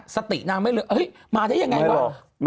สติน้ำมาที่ยังไงป่ะ